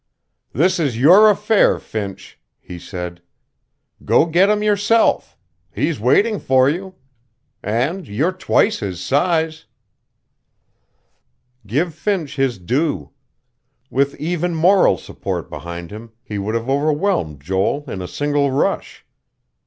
"This is your affair, Finch," he said. "Go get him, yourself. He's waiting for you. And you're twice his size." Give Finch his due. With even moral support behind him, he would have overwhelmed Joel in a single rush.